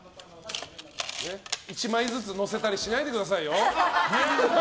１枚ずつのせたりしないで下さいよ。